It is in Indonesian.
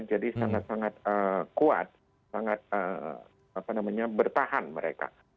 jadi sangat sangat kuat sangat bertahan mereka